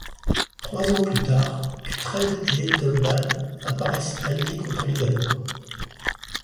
Trois ans plus tard, Cuthred et Æthelbald apparaissent alliés contre les Gallois.